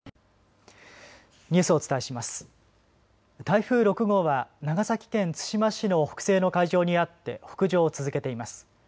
台風６号は長崎県対馬市の北西の海上にあって北上を続けています。